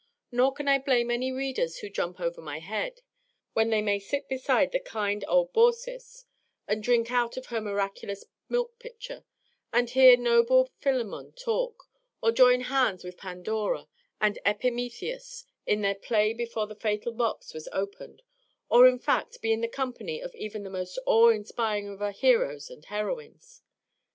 Nor can I blame any readers who jump over my head, when they may sit beside kind old Baucis, and drink out of her miraculous milk pitcher, and hear noble Philemon talk; or join hands with Pandora and Epimetheus in their play before the fatal box was opened; or, in fact, be in the company of even the most awe inspiring of our heroes and heroines.